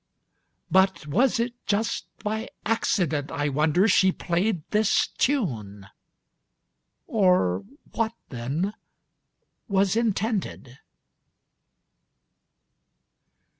But was it just by accident, I wonder, She played this tune? Or what, then, was intended?